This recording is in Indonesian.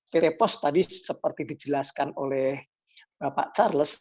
pt pos tadi seperti dijelaskan oleh bapak charles